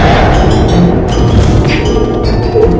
atau tidak ollah